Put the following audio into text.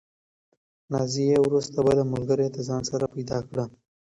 نازیې وروسته بله ملګرې د ځان لپاره پیدا کړه.